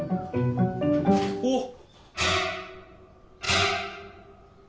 おっ！